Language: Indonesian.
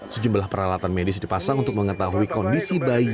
sejumlah peralatan medis dipasang untuk mengetahui kondisi bayi